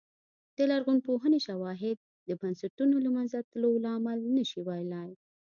د لرغونپوهنې شواهد د بنسټونو له منځه تلو لامل نه شي ویلای